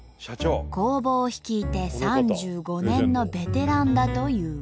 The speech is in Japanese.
工房を率いて３５年のベテランだという。